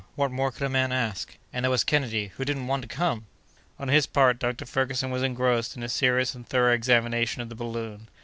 What more could a man ask? And there was Kennedy, who didn't want to come!" On his part, Dr. Ferguson was engrossed in a serious and thorough examination of the balloon.